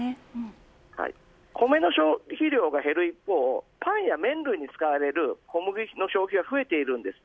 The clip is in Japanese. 米の消費量が減る一方でパンや麺類に使われる小麦の消費が増えているんです。